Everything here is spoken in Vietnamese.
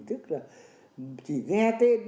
tức là chỉ nghe tên